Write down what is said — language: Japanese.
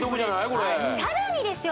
これさらにですよ